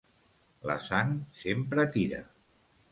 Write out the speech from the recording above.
La sang sempre tira.